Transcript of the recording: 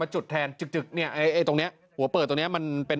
จุดแทนจุดเนี่ยไอ้ตรงเนี้ยหัวเปิดตรงนี้มันเป็น